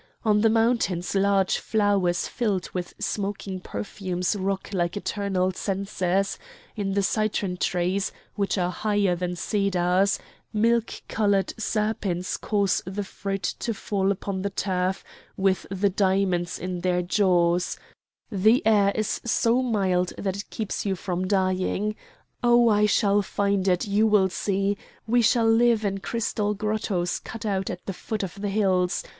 On the mountains large flowers filled with smoking perfumes rock like eternal censers; in the citron trees, which are higher than cedars, milk coloured serpents cause the fruit to fall upon the turf with the diamonds in their jaws; the air is so mild that it keeps you from dying. Oh! I shall find it, you will see. We shall live in crystal grottoes cut out at the foot of the hills.